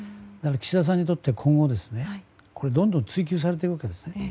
岸田さんにとって今後どんどん追及されていくわけですね。